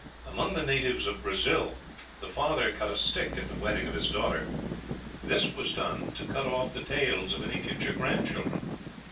Among the natives of Brazil the father cut a stick at the wedding of his daughter; "this was done to cut off the tails of any future grandchildren."